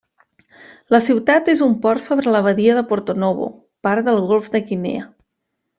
La ciutat és un port sobre la badia de Porto-Novo, part del golf de Guinea.